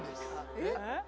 えっ？